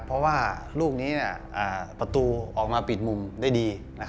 เพราะว่าลูกนี้ประตูออกมาปิดมุมได้ดี